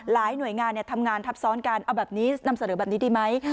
หลายหน่วยงานทำงานทับซ้อนการนำเสนอแบบนี้ดีไหม